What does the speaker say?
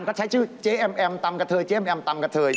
ก็ใช้ชื่อเจ๊แอมแอมตามกับเธอ